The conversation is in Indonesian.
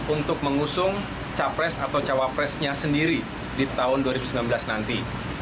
untuk mengusung capres atau cawapresnya sendiri di tahun dua ribu sembilan belas nanti